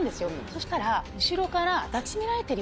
そうしたら。